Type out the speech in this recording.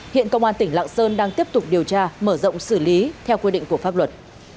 hiện công an tỉnh lạng sơn đang tiếp tục điều tra mở rộng xử lý theo quy định của pháp luật